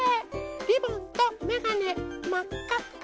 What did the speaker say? リボンとめがねまっかっか。